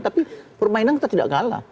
tapi permainan kita tidak kalah